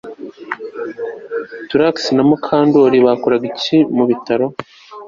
Trix na Mukandoli bakoraga iki mubitaro